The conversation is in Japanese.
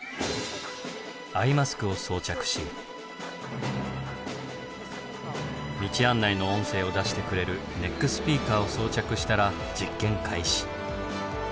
アイマスクを装着し道案内の音声を出してくれるネックスピーカーを装着したら実験開始。